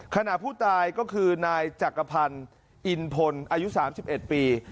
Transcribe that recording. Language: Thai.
ขณะผู้ตายก็คือนายจักรพันธ์อินพลอายุ๓๑ปี